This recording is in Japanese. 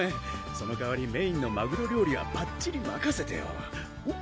その代わりメインのマグロ料理はバッチリまかせてよおっ！